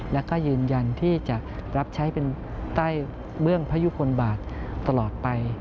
และก็ยืนยันที่จะรับใช้เป็นใต้เบื้องพยุคลบาทตลอดไป